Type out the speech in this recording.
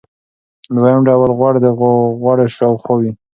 دویم ډول غوړ د غړو شاوخوا وي.